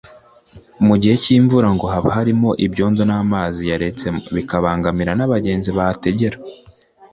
Mu gihe cy’imvura ngo haba harimo ibyondo n’amazi yaretsemo bikabangamira n’abagenzi bahategera